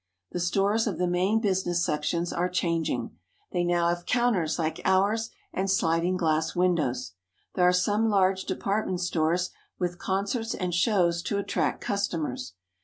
The stores of the main business sections are chang ing. They now have counters like ours and sliding glass windows. There are some large department stores, with concerts and shows to attract customers.